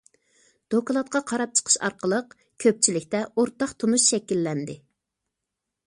دوكلاتقا قاراپ چىقىش ئارقىلىق، كۆپچىلىكتە ئورتاق تونۇش شەكىللەندى.